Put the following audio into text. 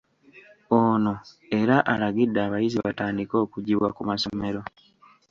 Ono era alagidde abayizi batandike okuggyibwa ku masomero